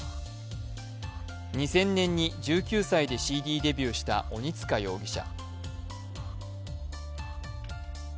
２０００年に１９歳でＣＤデビューした鬼束容疑者。